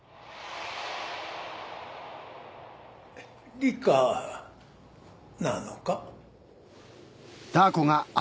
理花なのか？